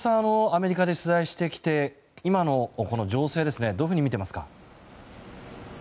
アメリカで取材してきて今の情勢どういうふうに見ていますか？